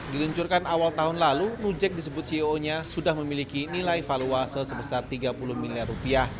diluncurkan awal tahun lalu nujek disebut ceo nya sudah memiliki nilai valuase sebesar tiga puluh miliar rupiah